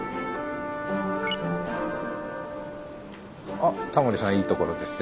あっタモリさんいいところですね。